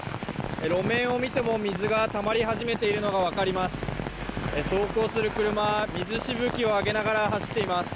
路面を見ても水がたまり始めているのが分かります。